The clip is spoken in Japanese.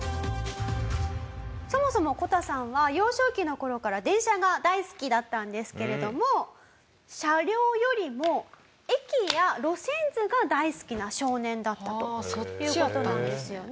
そもそもこたさんは幼少期の頃から電車が大好きだったんですけれども車両よりも駅や路線図が大好きな少年だったという事なんですよね。